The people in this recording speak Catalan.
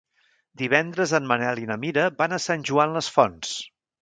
Divendres en Manel i na Mira van a Sant Joan les Fonts.